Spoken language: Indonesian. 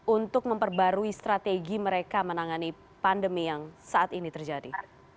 untuk memperbarui strategi mereka menangani pandemi yang saat ini terjadi